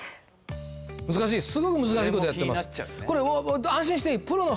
難しいすごく難しいことやってます